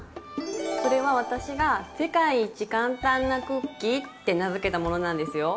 それは私が「世界一簡単なクッキー」って名付けたものなんですよ。